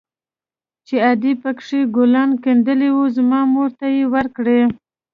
چې ادې پكښې ګلان ګنډلي وو زما مور ته يې وركړي.